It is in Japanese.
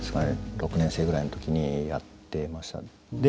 ６年生ぐらいの時にやってましたね。